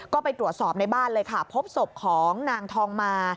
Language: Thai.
ก็ไปตรวจสอบในบ้านเลยค่ะพบศพของนางทองมา